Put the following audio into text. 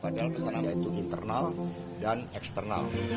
padahal pesanannya itu internal dan eksternal